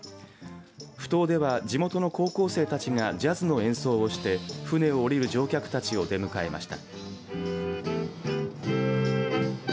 ふ頭では地元の高校生たちがジャズの演奏をして船を下りる乗客たちを出迎えました。